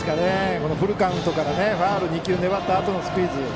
このフルカウントからファウル２球粘ったあとのスクイズ。